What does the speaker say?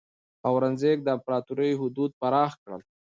اورنګزیب د امپراتورۍ حدود پراخ کړل.